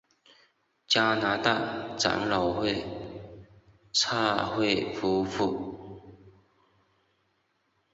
加拿大长老会差会夫妇。